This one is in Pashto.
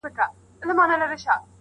هغوی دواړه په سلا کي سرګردان سول-